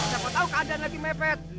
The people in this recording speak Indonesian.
siapa tahu keadaan lagi mepet